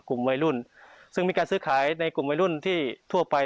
กลุ่มวัยรุ่นซึ่งมีการซื้อขายในกลุ่มวัยรุ่นที่ทั่วไป